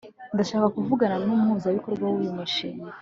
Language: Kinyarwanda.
ndashaka kuvugana numuhuzabikorwa wuyu mushinga